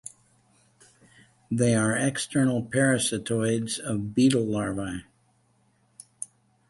They are external parasitoids of beetle larvae.